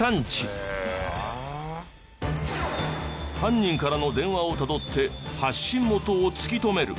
犯人からの電話をたどって発信元を突きとめる。